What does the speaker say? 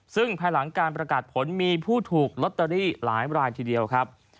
ซึ่งภายหลังการประกาศผลมีผู้ถูกลอตเตอรี่หลายรายทีเดียวครับ